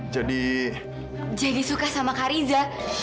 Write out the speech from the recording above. jadi suka sama kak riza